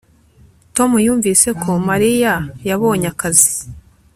tom yumvise ko mariya yabonye akazi